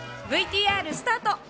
ではＶＴＲスタート。